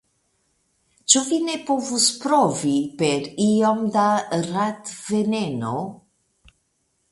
Ĉu vi ne povus provi per iom da ratveneno?